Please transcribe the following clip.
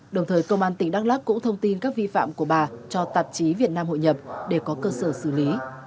đồng thời công an tỉnh đắk lắc cũng thông tin các vi phạm của bà cho tạp chí việt nam hội nhập để có cơ sở xử lý